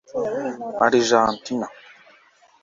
Argentina